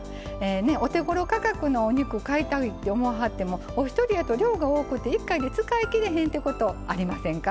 お手ごろ価格のお肉買いたいって思わはってもお一人やと量が多くって１回で使い切れへんってことありませんか？